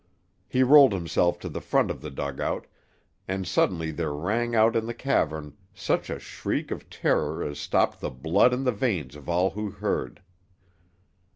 He rolled himself to the front of the dugout, and suddenly there rang out in the cavern such a shriek of terror as stopped the blood in the veins of all who heard.